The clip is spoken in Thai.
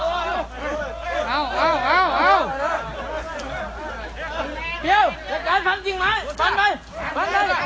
กลับมาเมื่อเวลาเมื่อเวลา